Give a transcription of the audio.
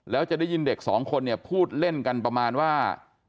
แล้วจะได้ยินเด็กสองคนเนี่ยพูดเล่นกันประมาณว่า